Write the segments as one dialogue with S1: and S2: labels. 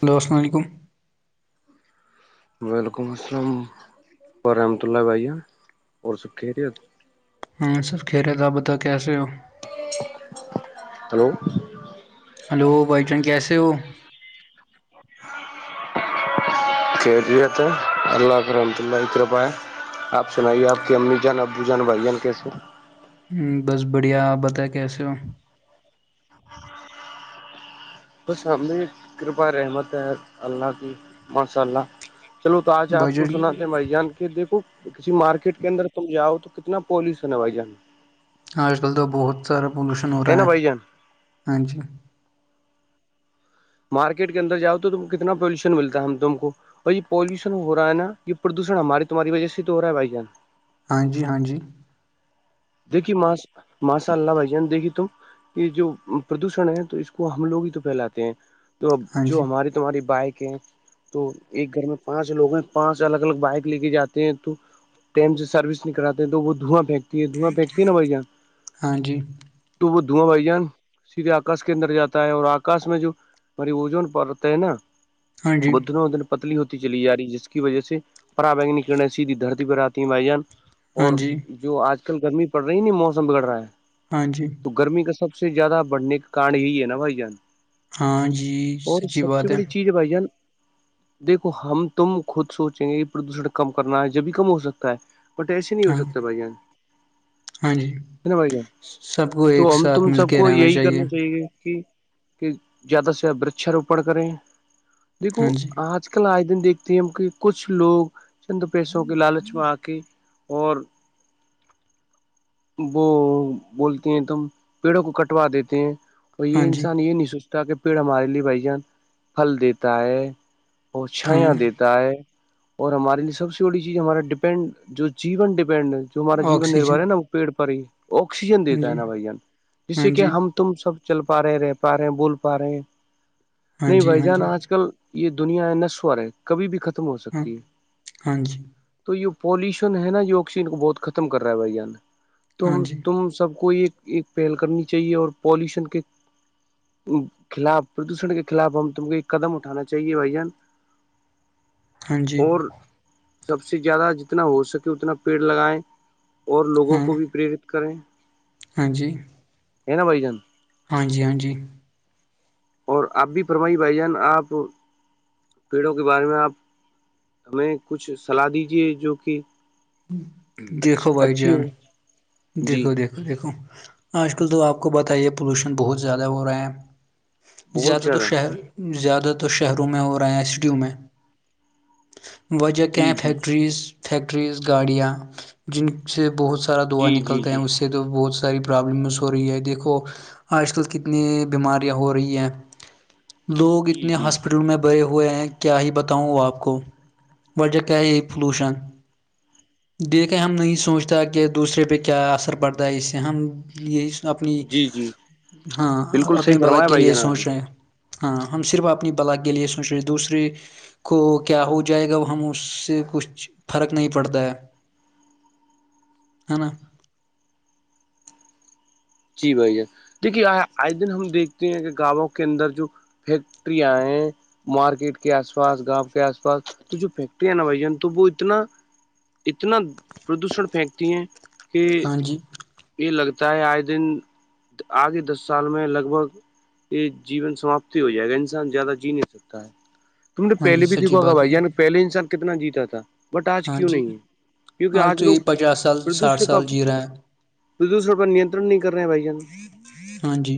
S1: hello السلام علیکم
S2: وعلیکم السلام و رحمت اللہ بھائییا اور سب خیریت
S1: ہاں سب خیر ت تھا آپ بتاؤ کیسے ہو
S2: [unintelligible] ہلو
S1: ہلو بائی جان کیسے ہو
S2: [inaudible] خیریت ہے اللہ کے رحمت اللہ ا روپیہ آپ سنائیے آپ کی امی جان ابو جان بھائی جان کیسے
S1: ہ بس بڑھیا آپ بتائے کیسے ہو
S2: خوش ہم بھی کرپا رحمت ہے اللہ کی ماشاء اللہ چلو تو آج
S1: بھائی
S2: آپ کو
S1: جان
S2: سناتے ہیں میںھ جان کے دیکھو کسی مارکیٹ کے اندر تم جاؤ تو کتنا پالیشن ہے بھائی جان
S1: آج کل تو بہت سارا پلوشن ہو رہا
S2: نا
S1: ہے
S2: بھائی جان
S1: ہاں جی
S2: مارکیٹ کے اندر جاؤ تو ت کو کتنا پالیوشن ملتا ہے ہم تم کو اور یہ پالولوشن ہو رہا نا یہ پردوشن ہماراری تمہاری وجہ سے تو ہو رہا ہے بھائی جان
S1: ہاں جی ہاں جی
S2: دیکھی ما ماشاء اللہ بھائی جان دیکھی تم یہ جو پردوشن ہے تو اس کو ہم لوگ ہی تو پھیلاتے ہیں تو جو
S1: جی
S2: ہمارے تمہاری بائکیں تو ایک گھر میں پانچ لوگ ہیں پانچ الگ الگ بائک لے کے جاتے ہیں تو ٹم سے سروس نہیں کراتے تو وہ دھواں پھینکتی ہے دھواں پھینکتی ہے نا بھای جان
S1: ہاں جی
S2: ٹو وہ دو بائی جان سیدھے آکاش کے اندر جاتا ہے اور آکاش میں جو ہماریے اجون پڑتا ہے نا
S1: ہاں جی
S2: بھ ن ادن پتلی ہوتی چلی ج رہی ہے جس کی وجہ سے پرا وگ کرن سیدھی دھرتی پر آتی ہیں مھائی جان اور
S1: ہاں جی ہاں جی
S2: جو آج کل گرمی پڑ رہی نا موسم بگڑ رہا ہے
S1: ہاں جی
S2: تو گرمی کا سب سے زیادہ بڑھنے کا کارڈ یہی ہے نا بھائی جان
S1: ہاں جی
S2: اور
S1: سچی
S2: سب سے
S1: بات
S2: بڑی چیز ہے بھائی جان دیکھو ہم تم خود سوچیں گے کہ پردوشن کم کرنا ہے جبھی کم ہو سکتا ہے پوٹیسی نہیں ہو
S1: ہاں
S2: سکتا بھائی جان
S1: ہاں جی
S2: ہے نا بھائی جان
S1: سب کو
S2: تو
S1: ایک
S2: ہم تم
S1: ساتھ مل
S2: سب کو
S1: کے رہنا
S2: یہی کرنا چاہیے کہ کہ زیادہ سےپ ورچاروپن کریں دیکھو
S1: ہاں جی
S2: آ آج کل آئے دن دیکھتے ہیں ہم کہ کچھ لوگ چند پیسوں کے لالچ میں آ کے اور وہ بولتے ہیں تو ہم پیڑوں کو کٹوا دیتے ہیں اور
S1: ہاں
S2: یہ
S1: جی
S2: انسان یہ نہیں سوچتا تاکہ پیڑ ہمارے لیے بھائی جان پھل دیتا ہے اور
S1: ہاں
S2: چھایاں دیتا ہے اور ہمارے لیے سب سے بڑی چیز ہمارا ڈپینڈ جو جیون ڈیپینڈ جو ہمارا جیون
S1: آکسیجن
S2: نربھر ہے نا وہ پیڑ پر ہی آکسیجن
S1: ہاں
S2: دیتا ہے
S1: جی
S2: نا بھائی جان جس
S1: ہاں
S2: سے کہ
S1: جی
S2: ہم تم سب چل پا رہے رہ پا رہے ہیں بول پا رہے ہیں
S1: ہاں
S2: نہیں
S1: جی
S2: بھائی
S1: ہاں
S2: جان
S1: جی
S2: آج کل یہ دنیا ہے نسوور ہے کبھی بھی ختم ہو
S1: ہاں
S2: سکتی ہے
S1: ہاں جی
S2: تو یہ پولوشن ہے نا یہ آکسی ان کو بہت ختم کر رہا ہے بھائی جان ت
S1: ہاں جی
S2: تم سب کو یہ ایک پہل کرنی چاہیے اور پالوشن کے خلاف پردوشن کے خلاف ہم تم کو ایک قدم اٹھانا چاہیے بھائی جان
S1: ہاں
S2: [unintelligible]
S1: جی
S2: اور سب سے زیادہ جتنا ہو سکے اتنا پیڑ لگائے اور لوگوں
S1: ہاں
S2: کو بھی پرییرت کریں
S1: ہاں جی
S2: ہے نا بھ جان
S1: ہاں جی ہاں جی
S2: اور آپ بھی فرمائیے بھائی جان آپ پیڑوں کے بارے میں آپ ہمیں کچھ صلاح دیجیے جو کہ اچ
S1: جیھو بھائی
S2: اچھی
S1: جان
S2: ہو جی
S1: دیکھو دیکھو دیکھو آج کل تو آپ کو بتائیے پولوشن بہت زیادہ ہو رہا ہے زیادہ تر شہر زیادہ تر شہروں میں ہو رہے ہیں سٹیوں میں وجہ کہ
S2: جی
S1: ہیں
S2: جی
S1: فیکٹریز فیکٹریز گاڑیاں جن سے بہت سارا دعا
S2: جی جی
S1: نکلتے ہیں
S2: جی
S1: اس سے تو بہت ساری پرابلمس ہو رہی ہے دیکھو آج کل کتنی بیماریاں ہو رہی ہیں لوگ
S2: جی
S1: اتنے
S2: جی
S1: ہاسپٹل میں بھرے ہوئے ہیں کیا ہی بتاؤں آپ کو وجہ کیا ہے یہ پولوشن دیکھے ہم نہیں سوچتا کہ دوسرے پہ کیا اثر پڑتا ہے اس سے ہم یہ اپنی
S2: جی جی
S1: ہاں
S2: بالکل صحیح
S1: اپنی بد
S2: فرمایا
S1: کے
S2: بھائی
S1: لیے
S2: جان آپ نے
S1: سوچ رہے ہیں ہاں ہم صرف اپنی بلاک کے لے سوچ رہے دوسری کو کیا ہو جائے گا ہم اس سے کچھ فرق نہیں پڑتا ہے ہ نا
S2: جی بھ دیکھیے آئے دن ہم دیکھتے ہیں کہ گاؤں کے اندر جو فیکٹرییاں ہیں مارکیٹ کے آس پاس گاؤں کے آس پاس تو جو فیکٹرییا ہے نا بھ جان تو وہ اتنا اتنا پردوشن پھینکتی ہیں کہ
S1: ہاں جی
S2: یہ لگتا ہے آئے دن آگے دس سال میں لگ بھگ یہ جیون سماپتی ہو جائے گا انسان زیادہ جی نہیں سکتا ہے تم نے
S1: ہاں جی
S2: پہلے بھی
S1: سچی
S2: دیکوا
S1: بات
S2: بھائی
S1: ہے
S2: یعنی پہلے ان ش سال کتنا جیتا تھا بٹ آج
S1: ہاں
S2: کیوں
S1: جی
S2: نہیں ہے کیونکہ آج
S1: تو
S2: لوگ
S1: یہ پچاس سال ساٹھ
S2: پردوشن کا
S1: سال جی رہا ہے
S2: پردوشر پر نیترن نہیں کر رہے ہیں بائی جان
S1: ہاں جی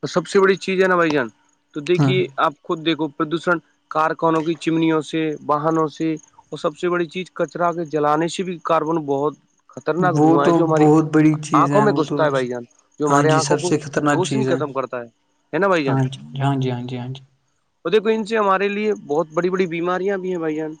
S2: تو سب سے بڑی چیز ہے نا بھائی جان تو
S1: ہاں
S2: دیکھیے آپ خود دیکھو پردوشن کارخانوں کی چمنیوں سے واہنوں سے اور سب سے بڑی چیز کچرا کے جلانے سے بھی کاربن بہت خطرناک
S1: وہ
S2: دھواں ہے
S1: تو
S2: جو ہماری
S1: بہت بڑی چیز
S2: آنکھوں میں
S1: وہ تو
S2: گھستا ہے بھائی جان جو
S1: ہاں
S2: ہمارے
S1: جی
S2: آنکھوں
S1: سب
S2: کو
S1: سے خطرناک
S2: روشنی
S1: چیز
S2: ختم کرتا ہے ہے نا بھائی جان
S1: ہاں جی ہاں جی ہاں جی ہاں جی
S2: اور دیکھو ان سے ہمارے لیے بہت بڑی بڑی بیماریاں بھی ہیں بھائی جان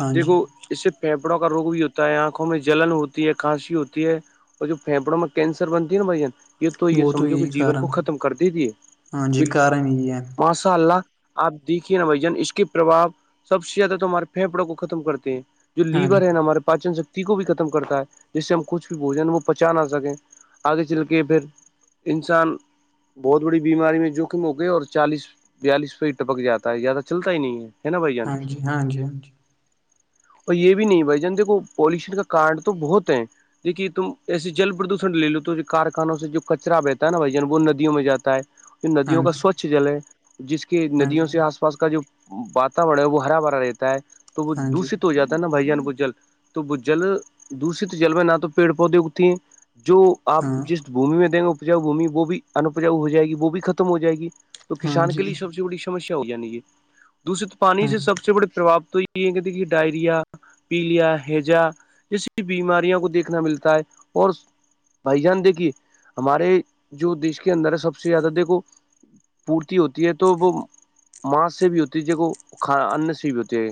S1: ہاں جی
S2: دیکھو اس سے پھیپڑوں کا روگ بھی ہوتا ہے آنکھوں میں جلن ہوتی ہے کھانسی ہوتی ہے پ جو فپڑا میں کینسر بنتی ہےا بھن یہ تو یہ
S1: وہ
S2: سمجھو کہ
S1: یہی
S2: جیون
S1: کارن
S2: کو ختم کر دے دیے
S1: ہاں جی
S2: بالکل
S1: کارن یہی ہے
S2: ماشاء اللہ آپ دیکھیے نا بھ جان اس کے پرباؤ سب سے زیادہ تمہارے پھیپڑوں کو ختم کرتے ہیں جو
S1: ہاں
S2: لیور
S1: جی
S2: ہے ن ہمارے پان سک کو بھی ختم کرتا ہے جس سے ہم کچھ بھی بوجن وہ پچا نہ سکیں آگے چل کے پھر انسان بہت بڑی بیماری میں جوخم ہو گئے اور چالیس بیالیس ف ٹپک جاتا ہے زیادہ چلتا ہی نہیں ہے ہے نا بھ جان
S1: ہاں جی ہاں جی
S2: اور یہ بھی نہیں بھائی جان دیکھو پولوشن کا کارڈ تو بہت ہے دھیے تم ایسے جل پردوشن لے لو تو کارخانوں سے جو کچرا بہتا ہے نا بھائی جان وہ ند یوں میں جاتا ہے
S1: ہاں
S2: ندیوں کا
S1: جی
S2: سوچھ جل ہے جس کے ندیوں سے آس پا پاس کا جو واورن ہے وہ ہرا بھرا رہتا ہے تو وہ
S1: ہاں جی ہاں جی ہاں جی
S2: دوشت ہو جاتا نا بھائی جان بجل تو بھجل دشت جل میں نہ تو پیڑ پودے اگتی ہیں جو آپ
S1: ہاں
S2: جس بھمی میں دیں گے اپجاؤ بھمی وہ بھی انپجاؤ ہو جائے گی وہ بھی ختم ہو جائے گی
S1: ہاں
S2: کسان کے
S1: جی
S2: لیے سب سے بڑی سسیا ہو جانی یہ دوسے تو پانی
S1: ہاں
S2: سے سب سے بڑے پربا تو یہ یہ یہ کہتی ت ڈائرییا پیلیا ہیجا جیسی بیماریوں کو دیکھنا ملتا ہے اور بھائی جان دیکھیے ہمارے جو دیش کے اندر سب سے زیادہ دیکھو پورتی ہوتی ہے تو وہ ماںس سے بھی ہوتی ہے ج وہ کھا انن سے بھی ہوتی ہے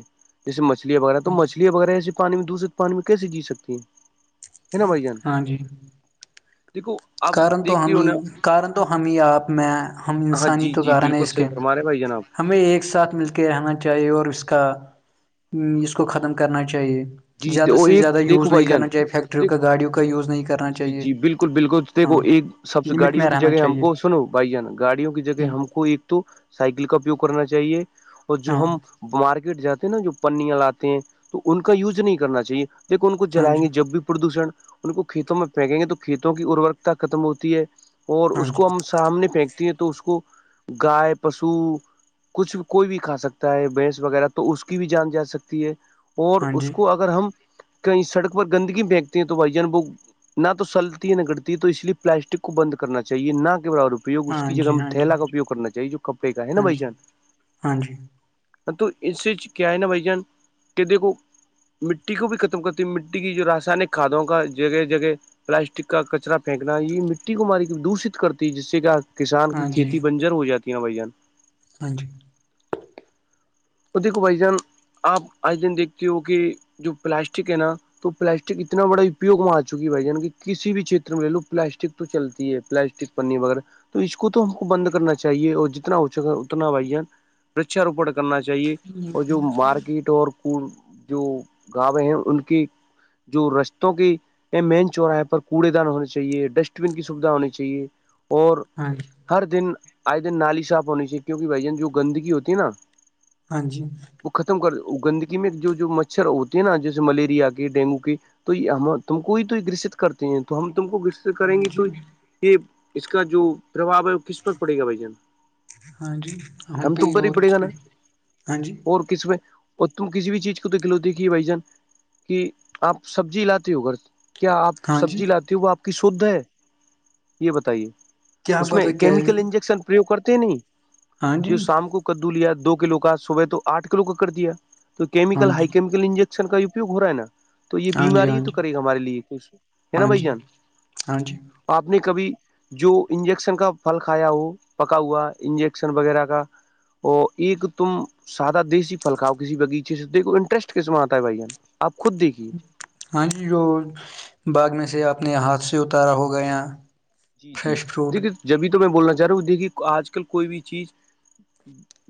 S2: جیسے مچلیاں وغیرہ تو مچھلیا وغیرہ ایسے پانی میں دشت پانی میں کیسے جی سکتی ہیں ہے نا بھائی جان
S1: ہاں جی
S2: دیکھو آپ
S1: کن تو
S2: دیکھتی ہو
S1: ہمیں
S2: نا
S1: کارن تو ہمیں آپ میں ہم
S2: ہاں
S1: انسانی
S2: جی
S1: تو
S2: جی
S1: گارن ہے
S2: بالکل
S1: اس
S2: صحیح
S1: کے
S2: فرما رہے ہیں بھائی جان آپ
S1: ہمیں ایک ساتھ مل کے رہنا چاہیے اور اس کا اس کو ختم کرنا چاہیے
S2: جی
S1: زیادہ
S2: وہ
S1: سے
S2: ایک
S1: زیادہ یوز
S2: دیکھو
S1: نہیں
S2: بھائی جان
S1: کرنا چاہیے فیکٹریوں
S2: دیک
S1: کا گاڑیوں کا یوز نہیں کرنا
S2: جی
S1: چاہیے
S2: جی بالکل بالکل دھو
S1: ہاں
S2: ایک سب سے
S1: لمٹ
S2: گاڑیوں
S1: میں
S2: کی
S1: رہنا
S2: جگہ ہم
S1: چاہیے
S2: کو سنو بھائی جان گاڑیوں کی جگہ ہم کو ایک تو سائیکل کا اپیوگ کرنا چاہیے اور جو
S1: ہاں
S2: ہم مارکیٹ جاتے ہیں نا جو پنیا لاتے ہیں تو ان کا یوز نہیں کرنا چاہیے لیک ان کو
S1: ہاں
S2: جائیں
S1: جی
S2: گے جب بھی پردوشن ان کو کھیتوں میں پھینکیں گے تو کھیتوں کی اروررکتا ختم ہوتی ہے اور
S1: ہاں
S2: اس
S1: جی
S2: کو ہم سامنے پھینکتی ہے تو اس کو گائے پشو کچھ بھی کوئی بھی کھا سکتا ہے بھینس وغیرہ تو اس کی بھی جان جا سکتی ہے اور
S1: ہاں
S2: اس
S1: جی
S2: کو اگر ہم کہیں سڑک پر گندگی بینکتے ہیں تو بھائی جان بوگ نہ تو سلتی ہے نگڑتی ہے تو اس لیے پلاسٹک کو بند کرنا چاہیے نہ کے برابروپ اپوگ اس
S1: ہاں
S2: کی جگہ
S1: جی
S2: ہم
S1: ہاں
S2: تھیلا کا اپیوگ کرنا چاہیے جو کپڑے کا ہے نا بھ
S1: جی
S2: جان
S1: ہاں جی
S2: تو اس چ کیا ہے نا بھائی جان کہ دیک کوو مٹی کو بھی ختم کرتی مٹی کی جو راسائنک کھادوں کا جگہ جگہ پلاسٹک کا کچرا پھینکنا یہ مٹی کو ماری دووشت کرتی ہے جس سے کیا کسان کی
S1: ہاں جی
S2: کھیتی بنجر ہو جاتی نا بھائی جان
S1: ہاں جی
S2: اور دیکھو بھائی جان آپ آج دن دیکھتے ہو کہ جو پلاسٹک ہے نا تو پلاسٹک اتنا بڑا اپپیگ م آ چکی بھائی کسی بھی چھیتر میں لے لو پلاسٹک تو چلتی ہے پلاسٹک پنی وغیرہ تو اس کو تو ہم کو بند کرنا چاہیے اور جتنا ہوچک اتنا بھائی جان وچاروپن کرنا چاہیے اور جو مارکیٹ اور کو جو گاویں ہیں ان کے جو رشتوں کی یہ مین چوراہے پر کوڑے دان ہونے چاہیے ڈسٹ بین کی سویدھا ہونی چاہیے اور
S1: ہاں جی
S2: ہر دن آئے دن نالی صاف ہونی چاہیے کیونکہ بھائی جان جو گندگی ہوتی ہے نا
S1: ہاں جی
S2: وہ ختم کر گندگی میں جو مچھر ہوتے ہیں نا جیسے ملیریا کے ڈینگو کے تو ہم تم کو تو گرست کرتے ہیں تو ہم تم کو
S1: ہاں
S2: کریں گے
S1: جی
S2: تو
S1: ہاں جی
S2: یہ اس کا جو پرباو ہے کس پر پڑے گا بھائی جان
S1: ہاں جی
S2: ہم
S1: پہ
S2: تم پر ہی
S1: اور
S2: پڑے گا
S1: کس پہ
S2: نا
S1: ہاں جی
S2: اور کس میں اور تم کسی بھی چیز کو تو گلوتی کی ہے بھائی جان کہ آپ سبزی لاتی ہو گھر کیا آپ
S1: ہاں جی
S2: سبزی لاتی ہو وہ آپ کی شھ ہے یہ بتائیے
S1: کیا
S2: اس میں
S1: پتا کیا ہے
S2: کیمیکل انجیکشن پریوگ کرتے نہیں
S1: ہاں
S2: جو
S1: جی
S2: شام کو کدو لیا دو کلو کو صبح تو آھ کلو کا کر دیا تو
S1: ہاں
S2: کیمکل ہائی
S1: جی
S2: کیمکل انجیکشن کا اپگ ہو رہا ہے نا تو یہ
S1: ہاں جی
S2: بیماری ہی
S1: ہاں جی
S2: تو کرے گا ہمارے لیے کچھ ہے نا
S1: ہاں
S2: بھائی
S1: جی
S2: جان
S1: ہاں جی
S2: آپ نے کبھی جو انجیکشن کا پھل کھایا ہو پکا ہوا انجیکشن وغیرہ کا وہ ایک تم سادہ دیسی پھلکاؤ کسی بغیچے سے دیکھو انٹرسٹ کس میں آتا ہے بھائیان آپ خود دیکھیے
S1: ہاں جی جو باغ میں سے اپنے ہاتھ سے اتارا ہو گیا
S2: جی جی دیکھیے جبھی تو میں بولنا چاہ رہا ہوں دیکھیے آج کل کوئی بھی چیز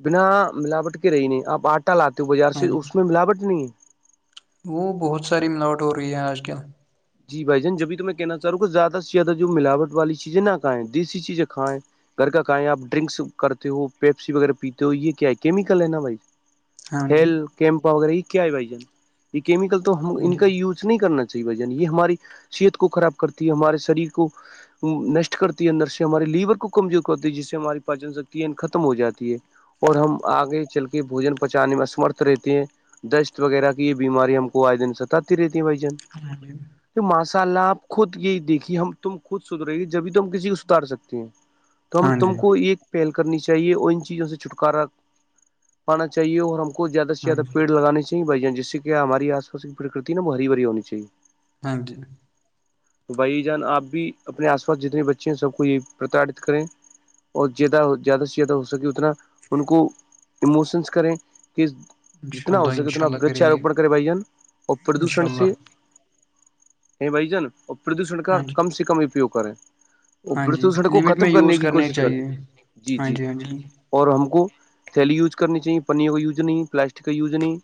S2: بنا ملاوٹ کے رہی نہیں آپ آٹا لاتے ہو بازار
S1: ہاں
S2: سے
S1: جی
S2: اس میں ملاوٹ نہیں ہے
S1: وہ بہت ساری نوٹ ہو رہی ہے آج کل
S2: جی بھائی جان جب بھی تو میں کہنا چاہ رہ ہوں کہ زیادہ سے زیادہ جو ملاوٹ والی چیزیں نہ کھیں دیسی چیزیں کائیں گھر کا کہیں آپ ڈرنکس کرتے ہو پیپسی وغیرہ پیتے ہو یہ کیا ہے کیمیکل ہے نا بھائی
S1: ہاں جی
S2: ہیل کیمپا وغیرہ یہ کیا ہے بھائی جان یہ کیمکل تو ہم
S1: ہاں
S2: ان
S1: جی
S2: کا یوز نہیں کرنا چاہیے بھائی یہ ہماری صحت کو خراب کرتی ہے ہمارے شریر کو نشٹ کرتی ہے اندر سے ہمارے لیور کو کمزور کرتی ہے جس سے ہماری پاچن شکتی ہے ختم ہو جاتی ہے اور ہم آگے چل کے بوجن پہچانے میں اسمرتھ رہتے ہیں دشت وغیرہ کی یہ بیماری ہم کو آئے دن ستاتتی رہتی ہیں بائی جان
S1: ہملی
S2: تو ماشاء اللہ آپ خود یہی دیکھیے ہم تم خود ستھرے ہے جبھی ت ہم کسی کو ستھار سکتے ہیں [inaudible] تو ہم
S1: ہاں
S2: تم
S1: جی
S2: کو ایک پہل کرنی چاہیے اور ان چیزوں سے چھٹکارا پانا چاہیے اور ہم کو زیادہ سے
S1: ہاں
S2: زیادہ
S1: جی
S2: پڑ لگے چاہی بھائی جسے کیا ہماری آس پا کی پرکتی ہے نا وہ ہری بری ہونی چاہے
S1: ہاں جی
S2: تو بھائی جان آپ بھی اپنے آس پاس جتنے بچے ہیں سب کو یہ پرتاڑت کریں اور زیادہ زیادہ سے زیادہ ہو سکے اتنا ان کو ایموشنس کریں کہ
S1: انشاء
S2: جتنا ہو
S1: اللہ
S2: سکے اتنا
S1: انشاء اللہ
S2: ورچ
S1: کریں گے
S2: آاروپن کرے بھائی جان اور
S1: انشاء
S2: پردوشن سے
S1: اللہ
S2: بھ جان اور پردوشن کا
S1: ہاں جی
S2: کم سے کم اپیوگ کریں وہ
S1: ہاں جی
S2: بو سڑک کو
S1: لمٹ
S2: ختم
S1: میں
S2: کرنے
S1: یوز
S2: کی کوشش کرے
S1: چاہیے
S2: جی جی اور ہم کو تیلی یوز کرنی چاہیے پنیوں کا یوج نہیں پلاسٹک کا یوز نہیں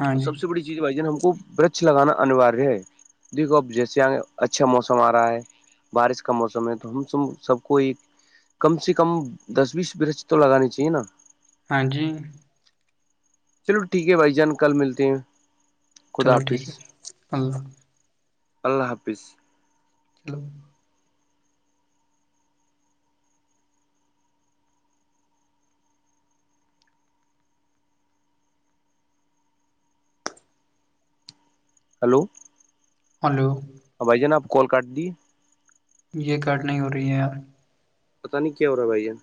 S1: ہاں
S2: اور
S1: جی
S2: سب سے بڑی چیز بھائی جان ہم کو برچ لگانا انواریہ ہے دیکھو اب جیسے آ اچھا موسم آ رہا ہے بارش کا موسم ہے تو ہم س سب کو ایک کم سے کم دس بیس برج تو لگانی چاہیے نا
S1: ہاں جی
S2: چلو ٹھیک ہے بھائی جان کل ملتے ہیں خدا
S1: چلو
S2: حافظ
S1: ٹھیک ہے اللہ
S2: اللہ حافظ
S1: چلو
S2: ہلو
S1: ہلو
S2: بھائی جانا آپ کال کر دی
S1: یہ کاٹ نہیں ہو رہی ہے یار
S2: پتا نہیں کیا ہو رہا ہے بھائی جان